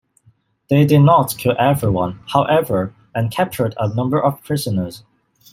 They did not kill everyone, however, and captured a number of prisoners.